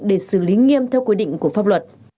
để xử lý nghiêm theo quy định của pháp luật